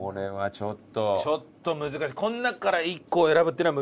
ちょっと難しい。